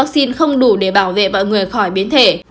vaccine không đủ để bảo vệ mọi người khỏi biến thể